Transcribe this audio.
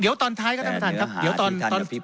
เดี๋ยวตอนท้ายครับท่านประธานครับ